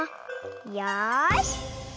よし。